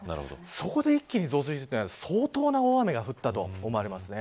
そこで一気に増水したというのは相当な大雨が降ったと思われます。